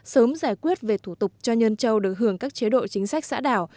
sớm giải quyết về thủ tục cho nhân châu được hưởng các chế độ chính sách xã đảo